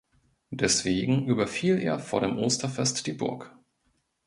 Deswegen überfiel er vor dem Osterfest die Burg.